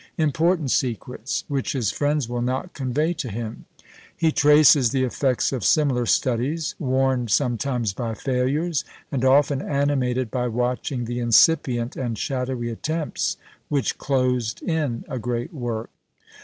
important secrets, which his friends will not convey to him. He traces the effects of similar studies; warned sometimes by failures, and often animated by watching the incipient and shadowy attempts which closed in a great work.